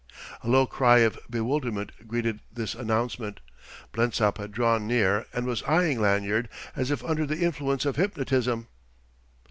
A low cry of bewilderment greeted this announcement. Blensop had drawn near and was eyeing Lanyard as if under the influence of hypnotism.